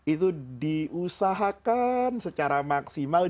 itu diusahakan secara maksimal